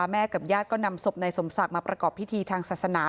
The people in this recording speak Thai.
แม่กับญาติก็นำศพนายสมศักดิ์มาประกอบพิธีทางศาสนา